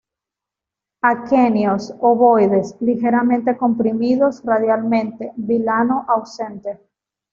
Aquenios obovoides, ligeramente comprimidos radialmente; vilano ausente.